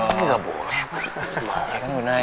ini gak boleh apa sih